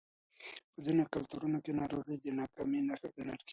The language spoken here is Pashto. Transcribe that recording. په ځینو کلتورونو کې ناروغي د ناکامۍ نښه ګڼل کېږي.